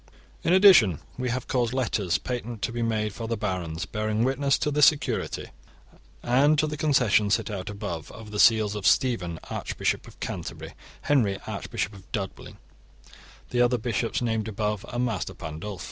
In addition we have caused letters patent to be made for the barons, bearing witness to this security and to the concessions set out above, over the seals of Stephen archbishop of Canterbury, Henry archbishop of Dublin, the other bishops named above, and Master Pandulf.